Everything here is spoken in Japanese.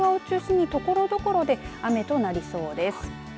一方、西日本太平洋側を中心にところどころで雨となりそうです。